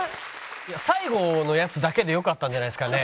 最後のやつだけでよかったんじゃないですかね？